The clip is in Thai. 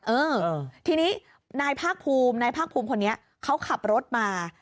เออทีนี้นายภาคภูมินายภาคภูมิคนนี้เขาขับรถมา